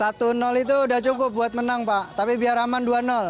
satu itu sudah cukup buat menang pak tapi biar aman dua